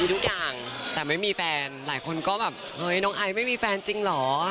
ทุกอย่างแต่ไม่มีแฟนหลายคนก็แบบเฮ้ยน้องไอไม่มีแฟนจริงเหรอ